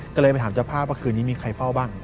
ก็เลยไปถามเจ้าภาพว่าคืนนี้มีใครเฝ้าบ้าง